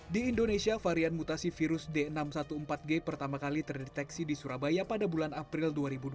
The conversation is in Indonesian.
di indonesia varian mutasi virus d enam ratus empat belas g pertama kali terdeteksi di surabaya pada bulan april dua ribu dua puluh